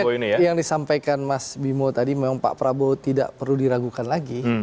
ya yang disampaikan mas bimo tadi memang pak prabowo tidak perlu diragukan lagi